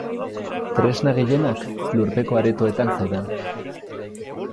Tresna gehienak lurpeko aretoetan zeuden.